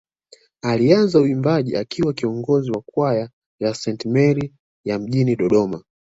Alianza uimbaji akiwa kiongozi wa kwaya ya Saint Mary ya mjini Dodoma